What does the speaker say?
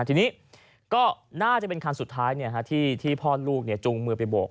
ทีนี้ก็น่าจะเป็นคันสุดท้ายที่พ่อลูกจูงมือไปโบก